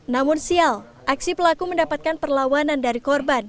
namun sial aksi pelaku mendapatkan perlawanan dari korban